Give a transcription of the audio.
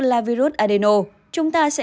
là virus adeno chúng ta sẽ